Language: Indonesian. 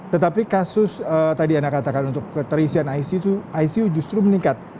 tetapi kasus tadi anda katakan untuk keterisian icu justru meningkat